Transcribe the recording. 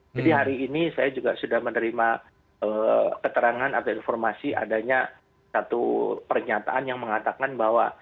jadi hari ini saya juga sudah menerima keterangan atau informasi adanya satu pernyataan yang mengatakan bahwa